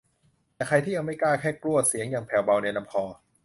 แต่ใครที่ยังไม่กล้าก็แค่กลั้วเสียงอย่างแผ่วเบาในลำคอ